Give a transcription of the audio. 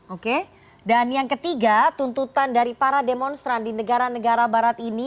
oke dan yang ketiga tuntutan dari para demonstran di negara negara barat ini